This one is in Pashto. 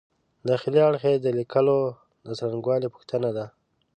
داخلي اړخ یې د لیکلو د څرنګوالي پوښتنه ده.